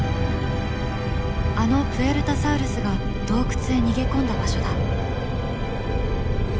あのプエルタサウルスが洞窟へ逃げ込んだ場所だ。